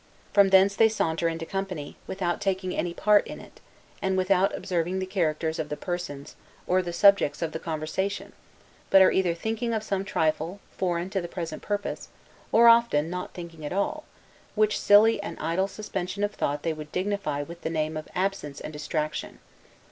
From thence they saunter into company, without taking any part in it, and without observing the characters of the persons, or the subjects of the conversation; but are either thinking of some trifle, foreign to the present purpose, or often not thinking at all; which silly and idle suspension of thought they would dignify with the name of ABSENCE and DISTRACTION.